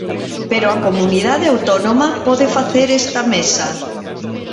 Pero a Comunidade Autónoma pode facer esta mesa.